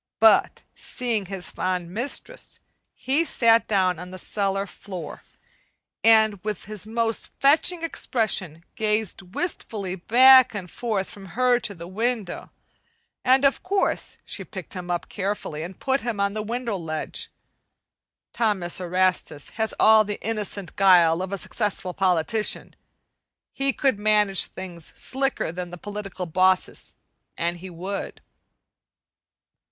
But seeing his fond mistress, he sat down on the cellar floor, and with his most fetching expression gazed wistfully back and forth from her to the window. And of course she picked him up carefully and put him on the window ledge. Thomas Erastus has all the innocent guile of a successful politician. He could manage things slicker than the political bosses, an' he would.